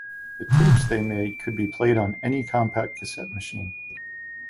The tapes they made could be played on any compact cassette machine.